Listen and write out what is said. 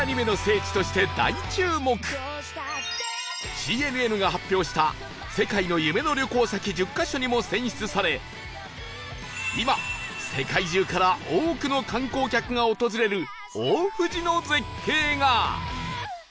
ＣＮＮ が発表した世界の夢の旅行先１０カ所にも選出され今世界中から多くの観光客が訪れる大藤の絶景が！